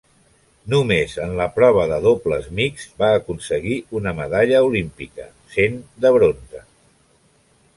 Només en la prova de dobles mixts va aconseguir una medalla olímpica, sent de bronze.